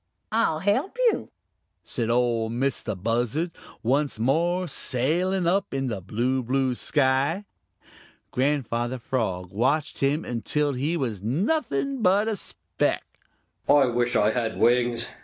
"I'll help you," said Ol' Mistah Buzzard, once more sailing up in the blue, blue sky. Grandfather Frog watched him until he was nothing but a speck.